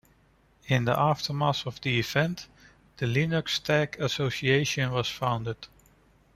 In the aftermath of the event, the LinuxTag association was founded.